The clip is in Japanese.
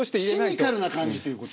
シニカルな感じっていうこと？